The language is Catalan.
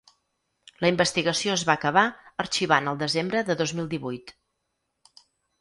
La investigació es va acabar arxivant el desembre de dos mil divuit.